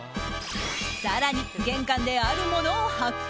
更に、玄関であるものを発見。